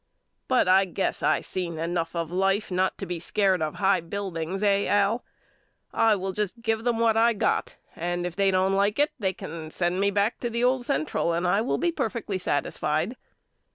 But I guess I seen enough of life not to be scared of the high buildings eh Al*? I will just give them what I got and if they don't like it they can send me back to the old Central and I will be perfectly satisfied.